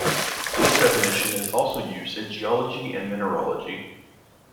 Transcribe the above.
This definition is also used in geology and mineralogy.